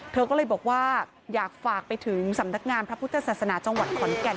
เธอก็เลยบอกว่าอยากฝากไปถึงสำนักงานพระพุทธศาสนาจังหวัดขอนแก่น